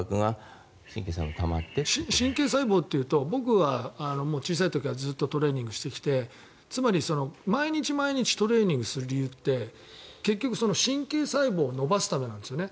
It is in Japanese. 神経細胞というと僕は小さい頃からトレーニングしてきてつまり毎日トレーニングする理由って神経細胞を伸ばすためなんですね。